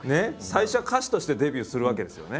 最初は歌手としてデビューするわけですよね？